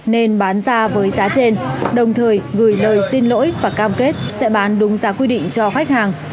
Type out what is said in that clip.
nên bán ra với giá trên đồng thời gửi lời xin lỗi và cam kết sẽ bán đúng giá quy định cho khách hàng